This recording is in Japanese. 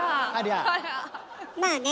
まあね